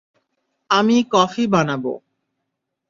আমি কফি বানাবো।